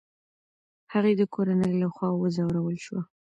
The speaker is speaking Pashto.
هغې د کورنۍ له خوا وځورول شوه.